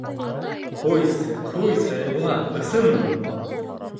— Ҡуйсы, ҡуйсы, Айбулат, ысынмы?